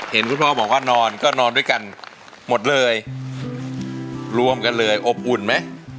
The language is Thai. เห็นคุณพ่อบอกว่านอนก็นอนด้วยกันหมดเลยรวมกันเลยอบอุ่นไหม